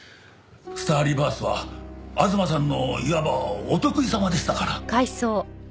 スターリバーズは吾妻さんのいわばお得意様でしたから。